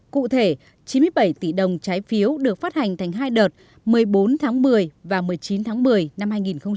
cụ thể chín mươi bảy tỷ đồng trái phiếu được phát hành thành hai đợt một mươi bốn tháng một mươi và một mươi chín tháng một mươi năm hai nghìn một mươi chín